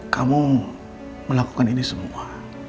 kamu melakukan ini semua